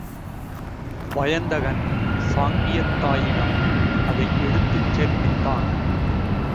வயந்தகன் சாங்கியத் தாயிடம் அதை எடுத்துச் சேர்ப்பித்திான்.